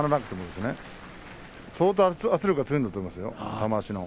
相当、圧力が強いんだと思いますよ、今場所は。